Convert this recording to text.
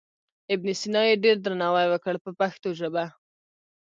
ابن سینا یې ډېر درناوی وکړ په پښتو ژبه.